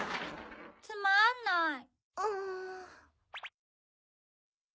つまんない。